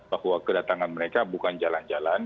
bahwa kedatangan mereka bukan jalan jalan